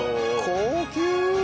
高級！